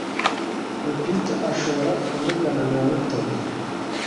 Rupita ashobora kuvugana na Mutoni.